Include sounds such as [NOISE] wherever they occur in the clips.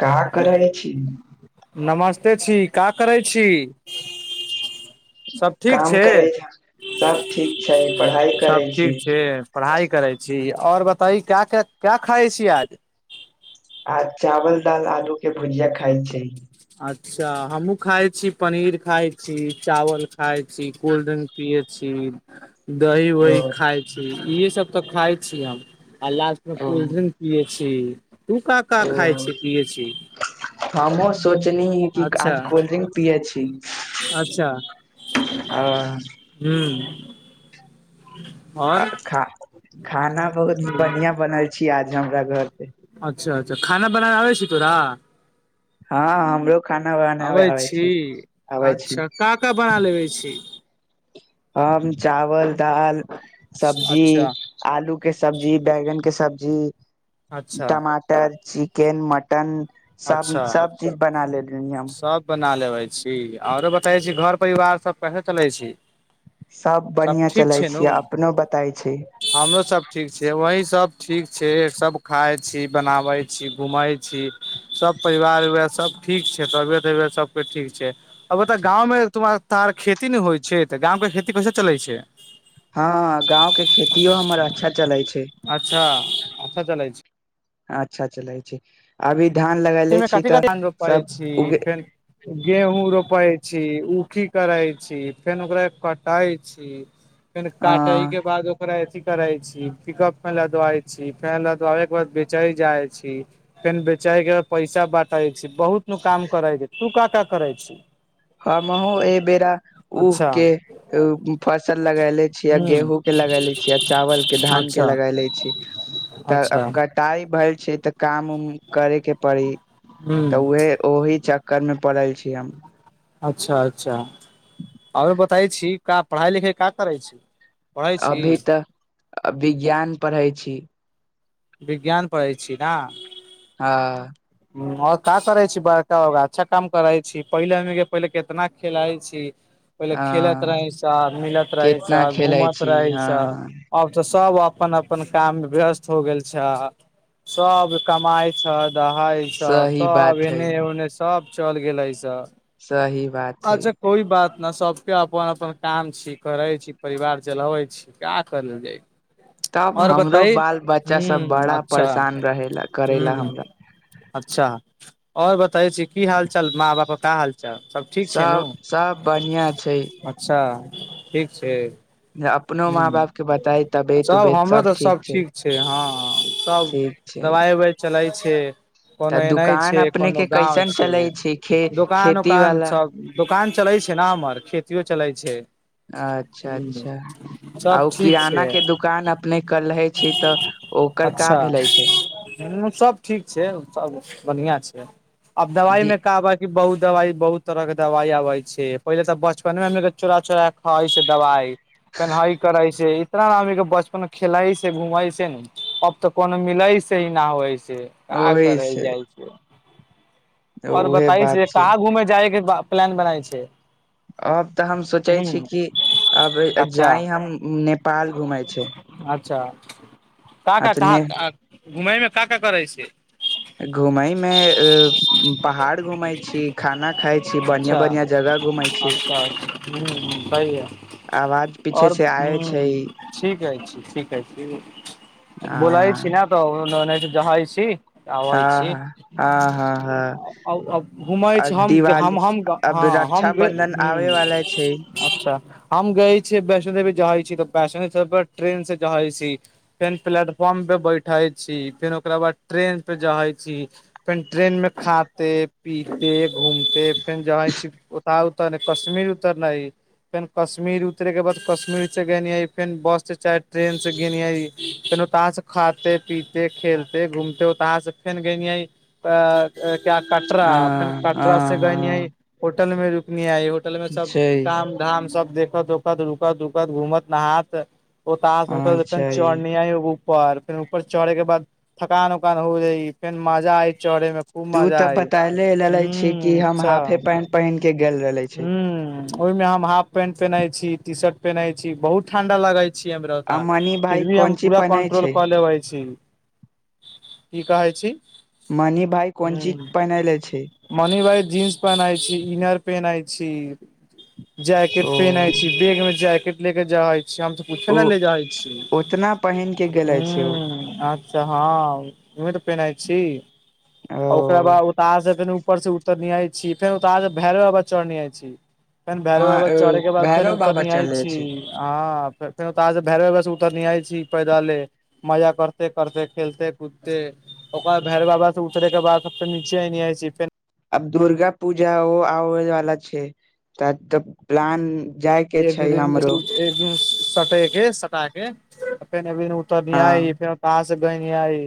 का करय छी। नमस्ते छी का करै छी। सब ठीक काम छै करै छ सभ ठीक छै पढाई करै सब ठीक छी छै पढ़ाई करै छी और बताइ क्या क्या क्या खाइ छी आज। आ चावल दाल आलू। के भुजिया खाइ छी अच्छा हमु खाइ छी। पनीर खााय छी चावल खााय छी कोल्ड ड्रिंक पियए छी। दही ओ वही खाय छी इहे सब। तऽ खाइ छी हम। आ लास्टं मे ओ कोल्ड्रिंक पिये छी। तू का का खाय छी पिए छी। हँमो स। सोचनीहि कि अच्छा आज कोल्ड्रिंक पियै छी। अच्छा आ हूँ। और आ खा खाना बहुत बढ़िया बनल छी आज। हमरा घर पे। अच्छा अच्छा खाना बनाबे आबै छै तोरा। हँ हमरो। खाना बनाबे अबै आबै छी आबै छी अच्छा का का बना लेबे छी। हम चावल दाल। सब्जी अच्छा आलू के सब्जी बैंगन के सब्जी जी। अच्छा टमाटर चिकेन, मटन सब, सब चीज बना लेल सब। ना लेबे छी आरो बताबै छी घर परिवार सब कैसे चलै छी। सभ सब बढ़िआँ ठीक चलै छै नू छियै अपनो बताइ छै। हमरो सब ठीक छै वही सब ठीक छै, सब खाय छी, बनावे छी, घूमे छी, सब परिवार-उरवार सब ठीक के तबियत-अबियत सबकुछ ठीक छै। अभी त गाँव मे [UNINTELLIGIBLE] तार खेती नै होय छै तऽ गाम के खेती कैसे चलै छै। हाँ गांव के खेतियो हमर अच्छा चलै छै, अच्छा अच्छा चलै छै अच्छा चलै छै। अभी धान ते लगले मे छी तऽ कथी-कथी धान रोपै सब छी उगे फेन गेहूँ रो पै छी, उ की करै छी, फेन ओकरा कटे छी। फेन अ काटे के बाद ओकरा एथी करे छी, पिक-अप [UNINTELLIGIBLE] छी, फेन लदवाबे के बाद बेचै जाय छी, फेन बेचै के पैसा बाटै छी बहुत नु काम करै छै, तू का-का करै छी। हमहु एबेेरा ऊह अच्छा के उम्म फसल लगले छीया, हूँ गेहूँ के लगैले छीया, चावल के धान के अच्छा लगैले छी, त अब अच्छा कटाई भेल छै तऽ काम उम करै के पड़ी। हूँ तऽ उहे ओहि चक्कर मे पड़ल छी। [UNINTELLIGIBLE] अच्छा-अच्छा। आरो बताई छी। का पढ़ाई-लिखाई का करै छी। पढ़ै छी अभी तऽ विज्ञान पढ़ै छी। विज्ञान पढ़ै छी ना। आ। और का करै छी बड़का-बड़का अच्छा काम करै छी, पहिले हमनी के पहिले कितना खेलाय छी। पहिले खेलैत हँ रहै छा, मिलत रहै छा, कितना खेलै घूमत छी रहै छा, हँ आब तऽ स सब अपन अपन काम मे व्यस्त हो गेल छ सब कमााय छ द भ छ सही सब बात हइ एने ओने सब। चल गेलैसा। सही बात हइ। ने सबके अपन अपन काम छी करै छी परिवार चलाबै छी क्या करल जाइ। तब और हमरो बताई बाल-बच्चा सब हूं बड़ा अच्छा परशान रहेला, करेला हूं हमरा। अच्छा और बताई छी की हाल-चाल माँ-बाप का हाल चाल सब ठीक छै नू सब-सब बढ़ियाँ छै। अच्छा ठीक छै। अपनो माँ ह्म्म बाप के बताई तबियत सभ उबियत हमरो सब तऽ सभ ठीक छै हँ सभ ठीक छै दबाइ उवाइ चलै छै। तऽ कोनो एनाह दुकान छै अपने कोनो के गाँव कैसन छै चलै खे दोकान खेती उकान वाला सब दोकान चलै छै ने हमर। खेतियो चलइ छै। अच्छा ह अच्छा आ सब ओ ठीक किराना छै के दुकान अपने कलेह छी तऽ ओकर का अच्छा भेलै छै। हूँ सब ठीक छै सब बढ़िया छै आब दवाई में कब। बहुत दवाई बहुत तरह के दवाई आबे छै पहिले तऽ बचपने मे चोरा चोरा खाई छै दवाई। पेनहाइ करइ छै। इआदमि के बचपन मे खेलै छै घूमै छै न अब तऽ कोनो मिलै से ना आबै छै। [UNINTELLIGIBLE] करैल जाइ छै और उहे बताय बात से छै कहाँ घूमेै जायग। प्लेन बनाय छै। अब त हम सोचै हूँ छी कि अब अच्छा जाइ हम नेपाल घूमेै छै। अच्छा। क आ का तऽ ने का घुमैमे। का का करै छै घुमै मे। पहाड़ घूमय छी खाना खााय छी बढ़िया अच्छा बढ़ियां जगह घूमय छी अच्छा अच्छा हूँ हूँ सही है आवाज पीछे आओर से आवय छै। ठीके छि। आ बोलाै छी ने तऽ। जहइ छीी। हँ ह हँ हँ हँ। घमै आ छी दिवाली अब रक्षाबंधन आबे वाला छै अच्छा हम गय छी वैष्णो देवी जाै छी तऽ वैष्। सब पर ट्रेन से जहे छी फेन प्लेटफॉर्म पे बैठे छी फेन ओकरा बाद ट्रेन पे जहे छी फेन ट्रेन में खा। ते पीते। घूमते फेन जहै छी। उतरनाइ कश्मीर उतरनाइ फेन कश्मीर उतरैके बाद कश्मीरसँ गेलियै फेन बससँ चाहे ट्रेनसँ गेलियै फेन ओतहाँसँ खाते पीिते खेलते घूमते ओतहाँसँ फेन गेलियै। क्य कटरा हँ फेर कटरा से हँ गय नइ। हँ तन मे रुकनी। आ होटल में सब छै काम धाम सब देख। तकत दुकत रूकत दुुकत घूमत नहात। ओ त हँ सब जे छै चनििया ह। ऊपर फेर ऊपर चढ़े के बाद थकान उकान हो रहइ फेन मजा आय चढ़े मे। तू तऽ बताले ले छी कि हम हाफे पेंट पहिन के। गेल रहले छी ह ओहिमे हम हाफ पेंट पेन्हइ छी टी शर्ट। पेन्हई छी बहुत ठण्डा लग छै। छी हमरा आ का मनी भाई फिर भी हम कोनची पूरा पहिनै कंट्रोल छै कऽ लेबै छी। की कहै छी। मणि भााय कोन चीज पहिनले छै। जीन्स पहनाइ छी इनर। पेनाइ छी। जैकेट ओ पेनाइ छी बैग मे जैकेट। ले के जा हइ। स हम तऽ कुछे ओ ने ले जाइ छी उतना पहिन के गेले छै ओ ह। अच्छा हँ तऽ। पेन्हई छी ओकरा बाद उतार के फेनु। पर से उतर न नहि आय छी फेर भैर। चर नहि छी। फेन भैरव बाबा चढ़ै के बाद फेन भैरव उतर बाबा न आल चले छी छै अहाँ फेर ओतसँ भैरव बाबा से उतरने आइ छी पैदले मजा करते करते खेलते कूदते ओकर भैरव बाबा से उतरैके बाद सब फे नीचे एनेहइ छी फेर। आब दुर्गा पूजा ओ आबे वाला छै तऽ त प्लान जाय के एक दू छै दू दिन हमरो एक दिन सटेके सटा। [UNINTELLIGIBLE] े नवीन उतर नहि हँ आइ फेर कहाँ से। न आइ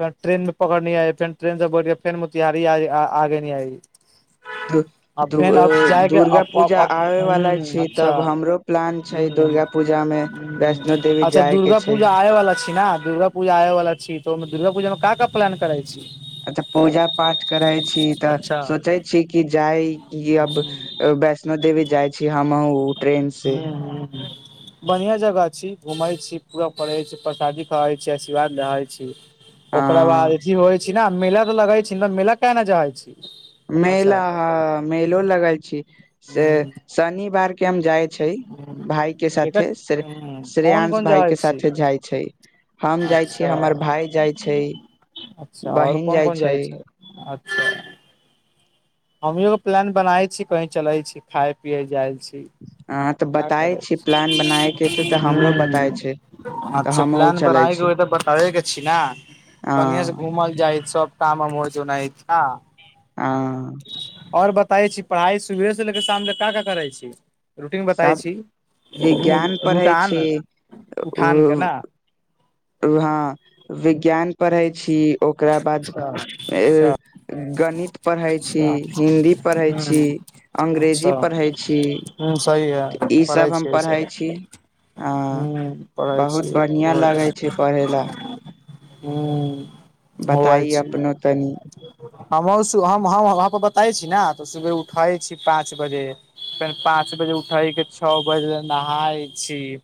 फेन ट्रेन मे पकड़ने आय फेन ट्रेन से बैठ फेन मोतिहारी आगे न आय। दुर्गा अब पूजा अब आबैवाला हूँ छै। अच्छा तब हमरो प्लान छै हूँ दुर्गा पूजा मे हूँ वैष्णो देवी जाय के छै। न दुर्गा पूजा आय वाला छी तो। अछा पूजा पाठ करै छी तऽ अच्छा सोचै छी कि जाइ कि हूँ अब वैष्णो देवी जाइ छी हमहुँ। हू हू हू। बढ़िया जगह छी घूमै छी पूरा पढ़ैए छी प्रसादी करै छै आशीर्वाद रहैत छी। अ ओकरा बाद जी बबै छि। मेला तऽ लगै छै न मेला किय न जाइ छी। अच्छा मेला मेलो लगय छि। से हूँ शनि बा। किय् जाइ। छै हूँ भाय के एकर साथे श हूँ कोन श्रेयांश कोन भाय जहै के छी साथे जाइ छै हम जाइ छीय हमर अच्छा भाय जाइ छै अच्छा आओर बहिन कोन जाइ कोन छै। अच्छा हमियो प्लान बनाै छी कही चले छी खाय पियए जाय छी। आ। का करय छी तऽ हमरो बताय हू छै तऽ अच्छा हमहुँ प्लान चलै छी बनायके तऽ बताबेके छी ने अ बढ़िआ से घुमल जाइ। सब काम मौजू नहि ह ह। ह। ओर बताे छी पढ़ाइ सुबेर से लेके शाम ल का का करै छी रूटीन। कहय सब छी विज्ञान पढ़ै रुटान छी उठान के न। वहँ विज्ञान पढ़ै छी ओकरा बाद अच्छा अच्छा गणित पढ़ै छी अच्छा हिन्दी पढ़ै छी हूँ अंग्रेजी अच्छा पढ़ै छी। हूँ सही है इ पढ़ै सब हम छियै ई पढ़े सब छी अ हुं पढ़ै बहुत बढ़िया छियै लगे छै। पढ़ै ल। हू। होआइ छी। अपनो तनी वहाँ वःबताइछी ने त सुबह उठै छी पाँच बजे फेर पाँच बजे उठै के। छओ बजे नहाय छी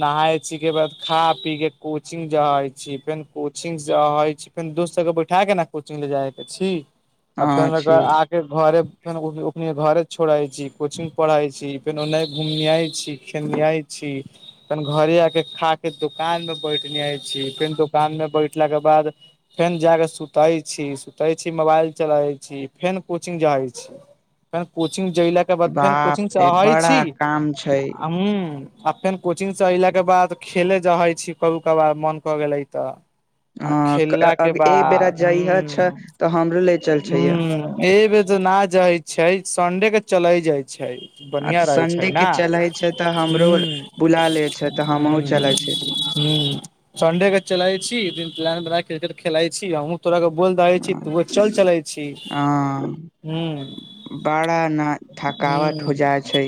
नहााय छी के बाद खा पी के कोचिंग जै छी फेर कोचिंग जहै छी फेर दोस्त सभके बैठा कऽ ने कोचिंग ले जायके छी। आ फेर हँ म्य छी आके घरे। फेर अपने घरे छोड़े छी कोचिंग पढ़ई छी फेर ओन्ने। घुमनेिय छी खेेलनेियै छी फेन घरे आके खाके दोकानमे बैठने छी फेन दोकानमे बैठलाके बाद फेन जाके सुतैत छी सुतैत छी मोबाइल चलबैत छी फेर कोचिंग जाैत छी फेन कोचिंग जहिलाक के बाद फेन बाप कोचिङंग से रे अहै बड़ा छी काम छै। फेर कोचिंग से अयलाक के बाद खेले जहै छी कबू कबार मन कऽ गेले तऽ। आ हँ खेलला के ए बेरा बाद ह जइह छ तऽ हमरो ह ले चल छै य हू ए बे तऽ न जाइ। छै सन्डे के चलाे जाय छै। छैय आ बढ़िया तऽ रहय छै। संडे ह के चले छै तऽ ह हमरो बुला ले छै तऽ हमहुँ चलै छै ह संडे के चलय छी। एक दिन प्लान बना के क्रिकेट खेलाइ छी अहुँ तोरा के बोल दे छी तऽ व चल चलै छी हँ ह बड़ा न थकावट हो ह। जाइ छै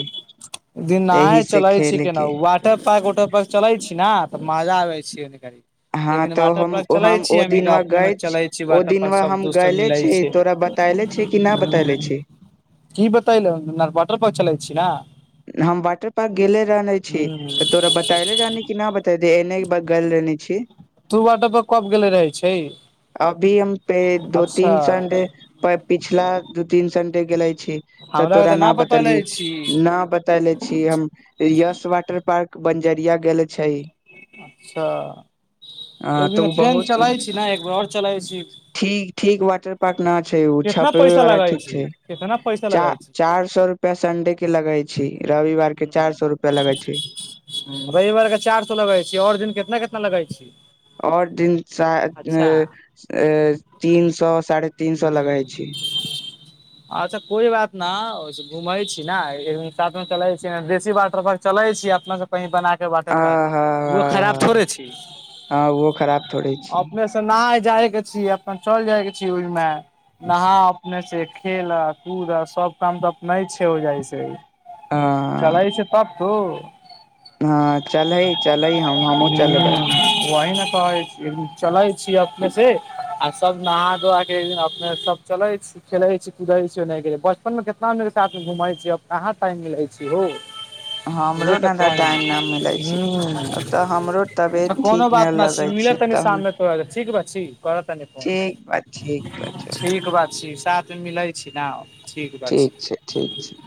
दिन नहा एहि से चलै छै खेले केना के वाटर पार्क वटर पार्क चलै छै। कि नहि तऽ माजा आबै छिय। एक हँ दिन तऽ वाटर हम पार्क चलै छी ओ हम दिनवा अपने गए चलै छी ओ वाटर पार्क दिनवा सब हम दोस्त सब गयले मिलै छी छै तोरा बतैले छी कि न बतैले छी की बतैलन वाटर पार्क चलै छी ने। हम वाटर पार्क गेले रहने छी हूं तऽ तोरा बतैले रहने कि नहि बताे दे एने ब गेल रहने छि। तू वाटर पार्क कब गेले रहै छै अभी हम पे दो अच्छा तीन संडे प पिछला दू तीन संडे गेलैय। छी तऽ हमरा के तोरा न बतैले बतली छी न। बतैले छी हम यश वाटर पार्क। बंजरिया गेले छै। ह अच्छा एक तऽ दिन ओ फेन बहुत चलै छी ने एक बेर आओर चलै छी ठीक ठीक वाटर पार्क न छै ओ कितना छपेबे पैसा वाला लगै ठीक छी छै कितना पैसा चार लगै चार सौ रुपआ संडे के लगै छी। रविवार के छी चार सौ रुपआ लगै छै। रविवार के चार सौ लगै छी। आओर दिन कितना-कितना लगै छी। आओर दिन साढ अच्छा तीन सौ साढ़े तीन सौ लगै ह छी। अच्छा कोई बात न घूमै छी ने एक दिन साथ मे चलै छी देशी वाटर पार्क चलै छी अपना सब कही बनाक वाटर आ पार्क हा हा ओ खराब हा थोड़े छै हँ ओहो खराब थोड़े छी अपने से ना जाय के छीय अपन चल जाय के छी। की ओय म नहा अपने से खेलऽ कूदऽ सब काम तऽ अपने छै हो जाइ छै। ह चलै छै तब दू हँ चलहै चलै हम हमहूँ चलबै हूँ वही ने चलै छी अपने से आ सब नहा अपने सब चले छी खेलै छी कुद छी बचपन मे कितना सा घुम छी कहाँ टाइम मिलै छी हो। उ हमरो ने ने तऽ टाइम न मिलै छै ह तऽ हमरो अच्छा तबियत कोनो ठीक बात नहि छी लगै मिलह छै तनी तऽ हम शाममे तो ठीक बात छी करतानी फोन। ठीक बा ठीक बा चल ठीक बात छी सात त मिलाइ छी ना। बा छी ठीक छै ठीक छै।